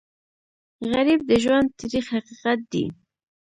غریب د ژوند تریخ حقیقت دی